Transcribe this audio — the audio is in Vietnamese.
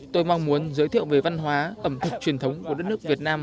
tôi mong muốn giới thiệu về văn hóa ẩm thực truyền thống của đất nước việt nam